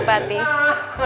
selamat datang prabu kiripati